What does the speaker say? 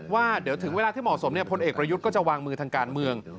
ว่าเดี๋ยวถึงเวลาที่เหมาะสมพลเอกประยุทธ์ก็จะวางมือทางการเมือง